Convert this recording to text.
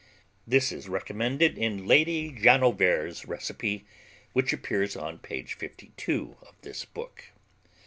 (This is recommended in Lady Llanover's recipe, which appears on page 52 of this book.)